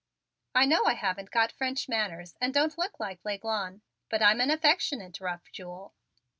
"I know I haven't got French manners and don't look like L'Aiglon, but I'm an affectionate rough jewel."